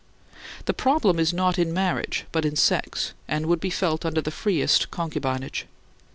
The problem is not in marriage, but in sex; and would be felt under the freest concubinage.